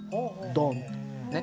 ドンとね。